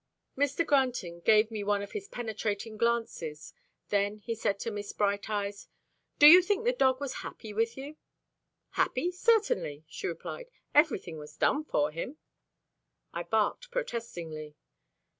Mr. Granton gave me one of his penetrating glances, then he said to Miss Bright Eyes, "Do you think the dog was happy with you?" "Happy, certainly," she replied. "Everything was done for him." I barked protestingly.